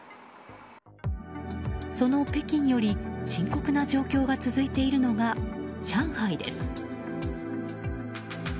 その北京より深刻な状況が続いているのが上海です。